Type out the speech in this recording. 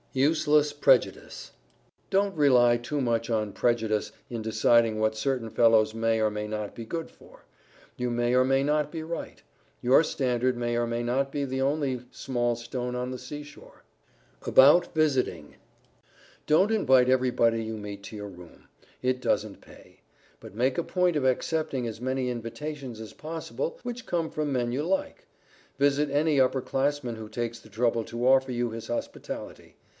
[Sidenote: USELESS PREJUDICE] Don't rely too much on prejudice in deciding what certain fellows may or may not be good for. You may or may not be right. Your standard may or may not be the only small stone on the seashore. [Illustration: DONT ANSWER BACK IF THE COACH SPEAKS HARSHLY TO YOU] [Sidenote: ABOUT VISITING] Don't invite everybody you meet to your room. It doesn't pay. But make a point of accepting as many invitations as possible which come from men you like. Visit any upper classman who takes the trouble to offer you his hospitality.